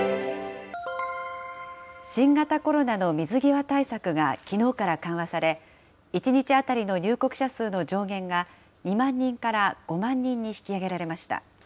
新型コロナの水際対策がきのうから緩和され、１日当たりの入国者数の上限が、２万人から５万人に引き上げられました。